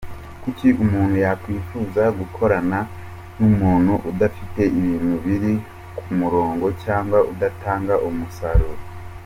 Kuki umuntu yakwifuza gukorana n’umuntu udafite ibintu biri ku murongo cyangwa udatanga umusaruro?”.